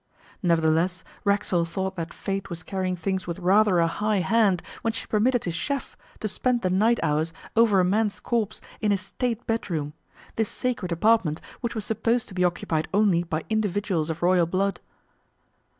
Nevertheless, Racksole thought that Fate was carrying things with rather a high hand when she permitted his chef to spend the night hours over a man's corpse in his State bedroom, this sacred apartment which was supposed to be occupied only by individuals of Royal Blood.